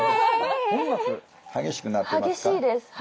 激しく鳴ってますか？